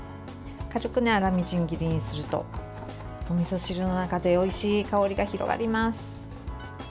軽く粗みじん切りにするとおみそ汁の中でおいしい香りが広がります。